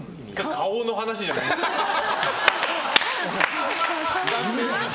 顔の話じゃなくて？